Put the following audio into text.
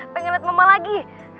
pengen liat mama lagi